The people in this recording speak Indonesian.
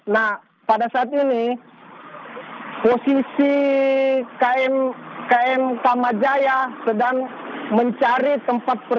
nah pada saat ini posisi km tamajaya sedang mencari tempat